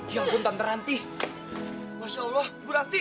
ya ampun tante ranti masya allah bu ranti